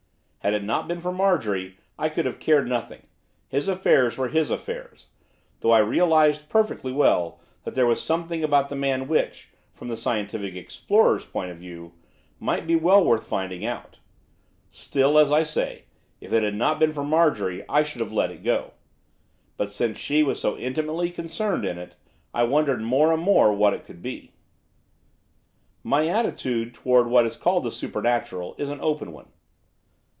Had it not been for Marjorie, I should have cared nothing, his affairs were his affairs; though I realised perfectly well that there was something about the man which, from the scientific explorer's point of view, might be well worth finding out. Still, as I say, if it had not been for Marjorie, I should have let it go; but, since she was so intimately concerned in it, I wondered more and more what it could be. My attitude towards what is called the supernatural is an open one.